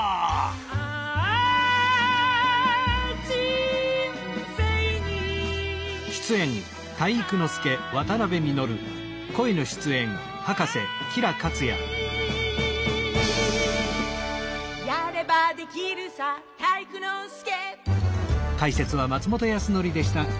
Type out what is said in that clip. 「あぁ、人生に体育あり」「やればできるさ、体育ノ介」